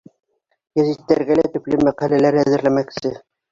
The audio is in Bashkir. Гәзиттәргә лә төплө мәҡәләләр әҙерләмәксе.